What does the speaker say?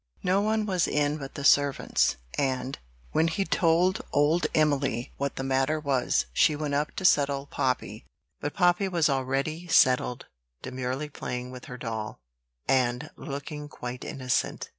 No one was in but the servants; and, when he'd told old Emily what the matter was, she went up to "settle" Poppy. But Poppy was already settled, demurely playing with her doll, and looking quite innocent.